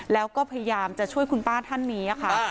แล้วก็พยายามจะช่วยคุณป้าท่านนี้ค่ะ